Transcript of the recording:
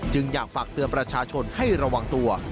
อยากฝากเตือนประชาชนให้ระวังตัว